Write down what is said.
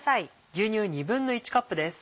牛乳１／２カップです。